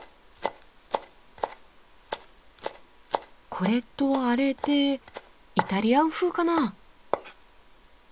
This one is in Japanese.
これとあれでイタリアン風かなあ？